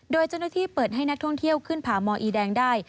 โดยจนที่เปิดให้นักท่องเที่ยวขึ้นพาหมออีแดงได้